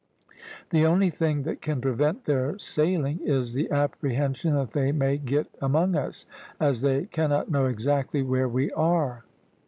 The only thing that can prevent their sailing is the apprehension that they may get among us, as they cannot know exactly where we are."